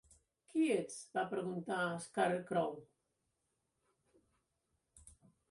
Qui ets? va preguntar Scarecrow.